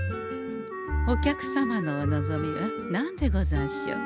お客様のお望みは何でござんしょう？